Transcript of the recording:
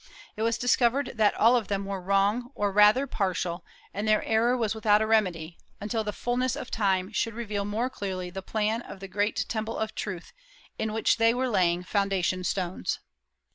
It was discovered that all of them were wrong, or rather partial; and their error was without a remedy, until "the fulness of time" should reveal more clearly the plan of the great temple of Truth, in which they were laying foundation stones.